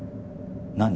何？